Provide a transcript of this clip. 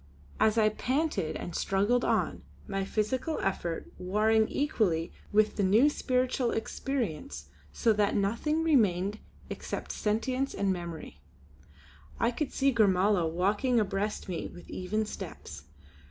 As I panted and struggled on, my physical effort warring equally with the new spiritual experience so that nothing remained except sentience and memory, I could see Gormala walking abreast me with even steps.